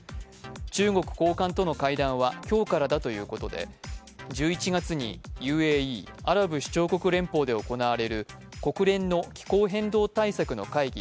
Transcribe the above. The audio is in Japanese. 中国高官との会談は今日からだということで１１月にＵＡＥ＝アラブ首長国連邦で行われる国連の気候変動対策の会議